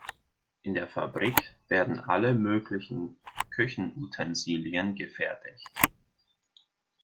In der Fabrik werden alle möglichen Küchenutensilien gefertigt.